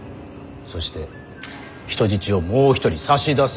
そして人質をもう一人差し出すべし。